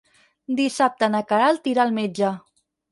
Dissabte na Queralt irà al metge.